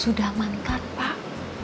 sudah mantan pak